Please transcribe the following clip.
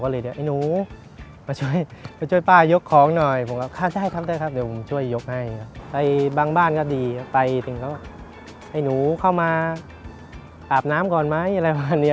พอดีคนแก่ต้องยกของเขายกไม่ไหว